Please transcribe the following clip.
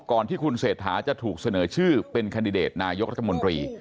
ที่คุณเศรษฐาจะถูกเสนอชื่อเป็นแคนดิเดตนายกรัฐมนตรี